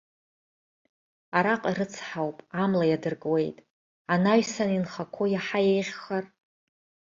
Араҟа ирыцҳауп, амла иадыркуеит, анаҩсан инхақәо иаҳа еиӷьхар?